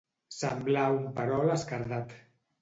Semblar un perol esquerdat.